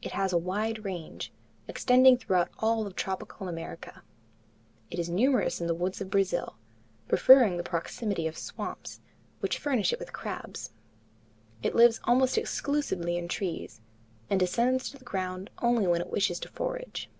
It has a wide range, extending throughout all of tropical America. It is numerous in the woods of Brazil, preferring the proximity of swamps, which furnish it with crabs. It lives almost exclusively in trees, and descends to the ground only when it wishes to forage.